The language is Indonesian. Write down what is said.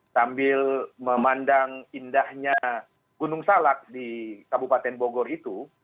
sambil memandang indahnya gunung salak di kabupaten bogor itu